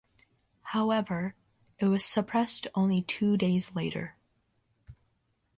However, it was suppressed only two days later.